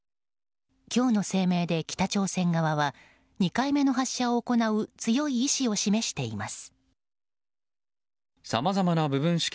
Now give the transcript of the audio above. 今日の声明で北朝鮮側は２回目の発射を行う強い意志を示しています。